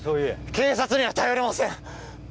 警察には頼れません。